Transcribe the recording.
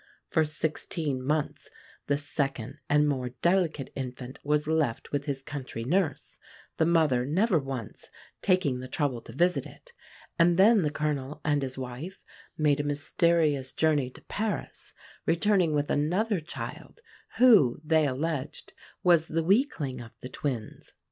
For sixteen months the second and more delicate infant was left with his country nurse, the mother never once taking the trouble to visit it; and then the Colonel and his wife made a mysterious journey to Paris, returning with another child, who, they alleged, was the weakling of the twins.